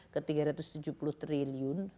ke tiga ratus tujuh puluh triliun